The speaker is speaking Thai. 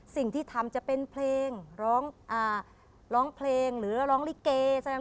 สิ่งที่ทำจะเป็นเพลงร้องเพลงหรือร้องลิเก